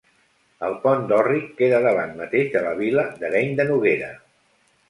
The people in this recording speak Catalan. El Pont d'Orrit queda davant mateix de la vila d'Areny de Noguera.